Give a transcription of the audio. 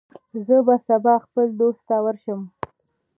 زه به سبا خپل دوست ته ورشم.